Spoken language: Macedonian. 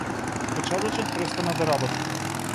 Печатачот престана да работи.